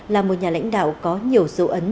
là một nhà lãnh đạo có nhiều dấu ấn